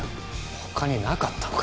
他になかったのか